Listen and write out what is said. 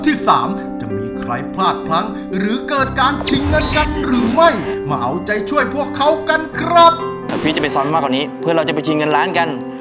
ถ้าพี่จะไปซ้อมมากกว่านี้เพื่อเราจะไปชิงเงินล้านกัน